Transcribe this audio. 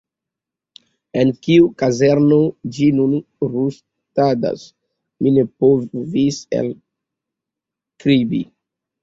En kiu kazerno ĝi nun rustadas, mi ne povis elkribri.